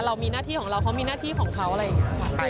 เรามีหน้าที่ของเราเขามีหน้าที่ของเขาอะไรอย่างนี้ค่ะ